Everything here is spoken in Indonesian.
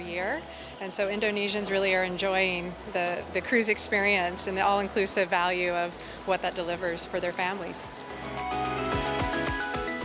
jadi orang indonesia benar benar menikmati pengalaman perjalanan dan nilai yang inklusif yang dapat diberikan untuk keluarga mereka